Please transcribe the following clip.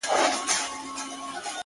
له ما پـرته وبـــل چــــــاتــــــه،